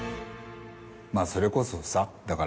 それこそさだから。